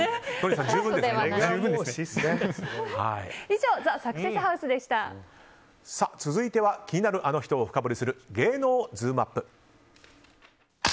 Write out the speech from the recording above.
以上続いては気になるあの人を深掘りする芸能ズームＵＰ！